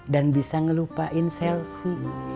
dan bisa ngelupain selvi